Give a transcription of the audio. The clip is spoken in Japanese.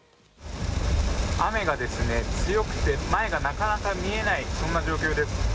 雨が強くて前がなかなか見えないそんな状況です。